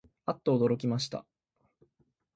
あっとおどろきました